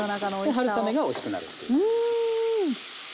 春雨がおいしくなるという。